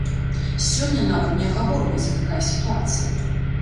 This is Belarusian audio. Сёння нават не агаворваецца такая сітуацыя.